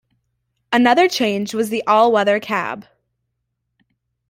Another change was the all-weather cab.